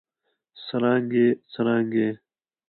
سرانګې ئې ، څرانګې ئې